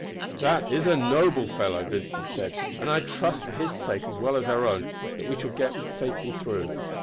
"That is a noble fellow," Vincent said, "and I trust, for his sake as well as our own, that we shall get safely through.